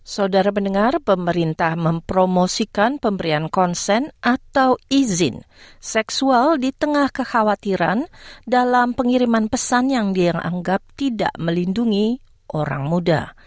saudara mendengar pemerintah mempromosikan pemberian konsen atau izin seksual di tengah kekhawatiran dalam pengiriman pesan yang dia yang anggap tidak melindungi orang muda